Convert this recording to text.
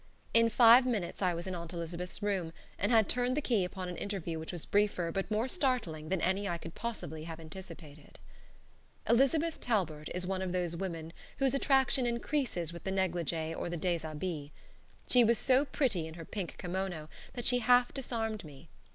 In five minutes I was in Aunt Elizabeth's room, and had turned the key upon an interview which was briefer but more startling than I could possibly have anticipated. Elizabeth Talbert is one of those women whose attraction increases with the negligee or the deshabille. She was so pretty in her pink kimono that she half disarmed me.